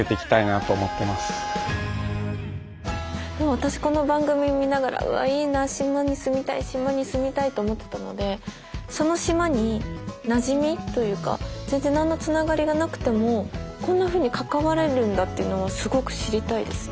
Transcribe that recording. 私この番組見ながらうわいいな島に住みたい島に住みたいと思ってたのでその島になじみというか全然何のつながりがなくてもこんなふうに関われるんだっていうのはすごく知りたいですね。